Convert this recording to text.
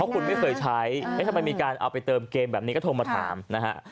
คุณไม่เคยใช้ทำไมมีการเอาไปเติมเกมแบบนี้ก็โทรมาถามนะฮะ